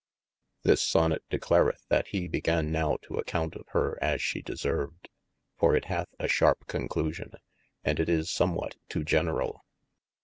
THis Sonet declareth that he began now to accompt of hir as she deserved, for it hath a sharpe conclusion, and it is somewhat too general.